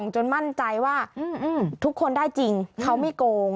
จนมั่นใจว่าทุกคนได้จริงเขาไม่โกง